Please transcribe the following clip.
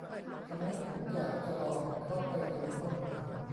ทำให้ผมอยากจะลองเข้าไปดูข้อมูล